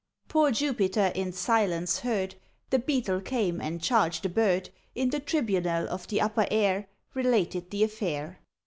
Poor Jupiter in silence heard; The Beetle came, and charged the bird In the tribunal of the upper air Related the affair.